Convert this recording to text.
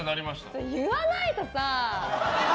言わないとさ！